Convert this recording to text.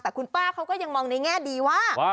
แต่คุณป้าเขาก็ยังมองในแง่ดีว่า